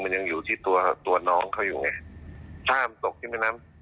มันยังอยู่ที่ตัวตัวน้องเขาอยู่ไงถ้ามันตกที่แม่น้ำ